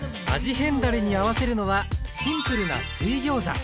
変だれに合わせるのはシンプルな水ギョーザ。